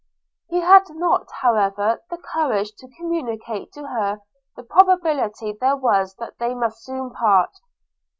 He had not yet, however, the courage to communicate to her the probability there was that they must soon part.